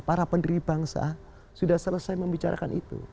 para pendiri bangsa sudah selesai membicarakan itu